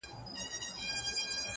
o تر رمې ئې سپي ډېر دي!